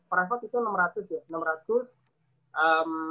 privat itu enam ratus ya